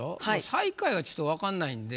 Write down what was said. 最下位がちょっとわかんないんで。